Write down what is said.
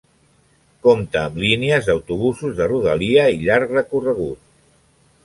Compta amb línies d'autobusos de rodalia i llarg recorregut.